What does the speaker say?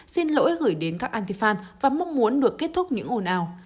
xin lỗi gửi đến các antifan và mong muốn được kết thúc những ồn ào